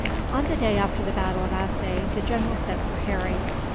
On the day after the battle of Assaye, the general sent for Harry.